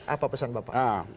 apa pesan bapak